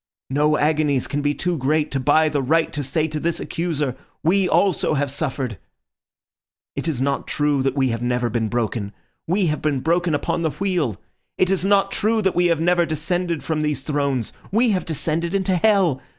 No agonies can be too great to buy the right to say to this accuser, 'We also have suffered.' "It is not true that we have never been broken. We have been broken upon the wheel. It is not true that we have never descended from these thrones. We have descended into hell.